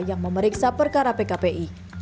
yang memeriksa perkara pkpi